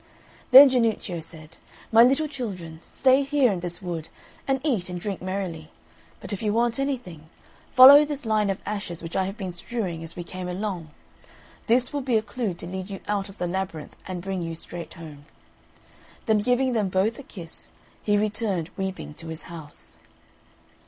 Then Jannuccio said, "My little children, stay here in this wood, and eat and drink merrily; but if you want anything, follow this line of ashes which I have been strewing as we came along; this will be a clue to lead you out of the labyrinth and bring you straight home." Then giving them both a kiss, he returned weeping to his house.